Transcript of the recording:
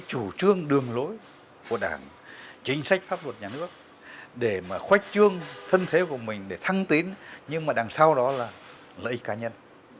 chủ trương đường lối của đảng chính sách pháp luật nhà nước để mà khoách trương thân thế của mình để thăng tín nhưng mà đằng sau đó là lợi ích cá nhân